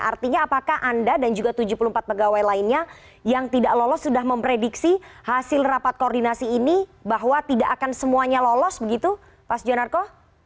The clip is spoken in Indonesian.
artinya apakah anda dan juga tujuh puluh empat pegawai lainnya yang tidak lolos sudah memprediksi hasil rapat koordinasi ini bahwa tidak akan semuanya lolos begitu pak sujanarko